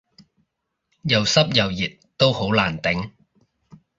又濕又熱都好難頂